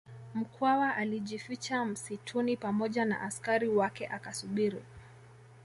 Mkwawa alijificha msituni pamoja na askari wake akasubiri